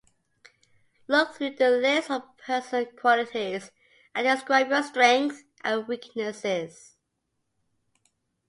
Look through the List of personal qualities and describe your strengths and weaknesses.